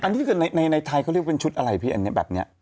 อันนี้เป็นในไทยเป็นชุดอะไรภี่อันนี้แบบนี้